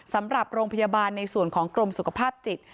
สำหรับโรงพยาบาลในส่วนของกรมสุขภาพจิต